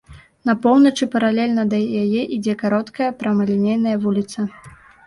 На поўначы паралельна да яе ідзе кароткая прамалінейная вуліца.